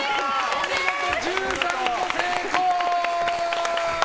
お見事、１３個成功！